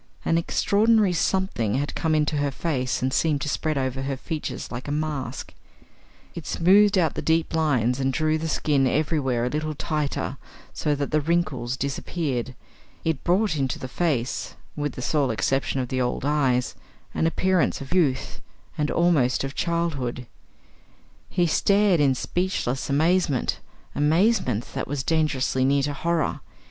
An extraordinary something had come into her face and seemed to spread over her features like a mask; it smoothed out the deep lines and drew the skin everywhere a little tighter so that the wrinkles disappeared; it brought into the face with the sole exception of the old eyes an appearance of youth and almost of childhood. He stared in speechless amazement amazement that was dangerously near to horror.